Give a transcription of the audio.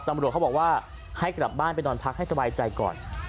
ตำรวจเขาบอกว่าให้กลับบ้านไปนอนพักให้สบายใจก่อน